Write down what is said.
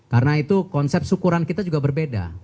karena itu konsep syukuran kita juga berbeda